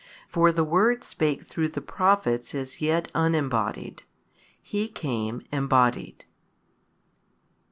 For the Word spake through the Prophets as yet Unembodied, He came Embodied.